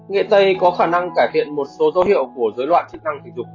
nghệ tây có khả năng cải thiện một số dấu hiệu của dối loạn chức năng tình dục